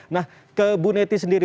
nah ke bu neti sendiri